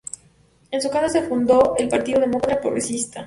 En su casa se fundó el Partido Demócrata Progresista.